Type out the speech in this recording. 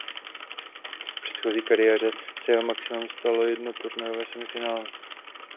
V předchozí kariéře se jeho maximem stalo jedno turnajové semifinále.